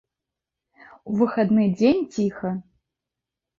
У выхадны дзень ціха.